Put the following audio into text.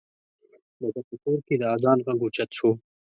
د ده په کور کې د اذان غږ اوچت شو.